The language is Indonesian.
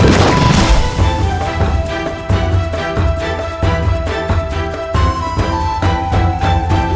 itu ada panjatik